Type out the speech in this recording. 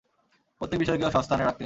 প্রত্যেক বিষয়কে স্বস্থানে রাখতেন।